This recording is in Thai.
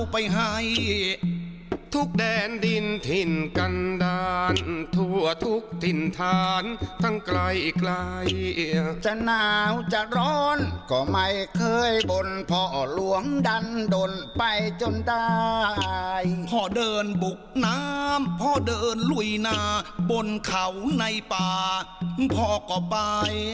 พ่อเดินบุกน้ำพ่อเดินลุยนาบนเขาในป่าพ่อก็ไป